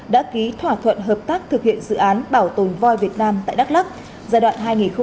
đã ký thỏa thuận hợp tác thực hiện dự án bảo tồn voi việt nam tại đắk lắc giai đoạn hai nghìn một mươi chín hai nghìn hai mươi năm